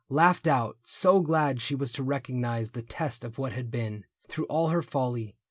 Laughed out, so glad she was to recognize The test of what had been, through all her folly.